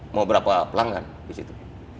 mau berapa pelanggan di situ